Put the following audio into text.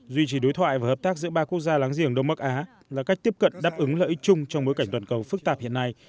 duy trì đối thoại và hợp tác giữa ba quốc gia láng giềng đông bắc á là cách tiếp cận đáp ứng lợi ích chung trong bối cảnh toàn cầu phức tạp hiện nay